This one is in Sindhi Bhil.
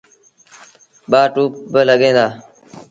ٻآ ٽوُپ بالڳيٚن دآ۔